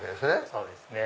そうですね。